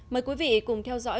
mời quý vị cùng theo dõi